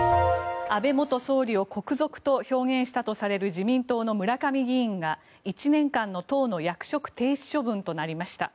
安倍元総理を国賊と表現したとされる自民党の村上議員が１年間の党の役職停止処分となりました。